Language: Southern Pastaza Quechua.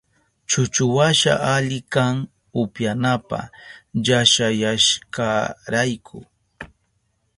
Chuchuwasha ali kan upyanapa llashayashkarayku.